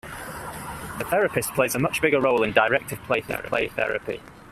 The therapist plays a much bigger role in directive play therapy.